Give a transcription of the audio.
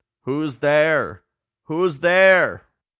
who's there? who's there?"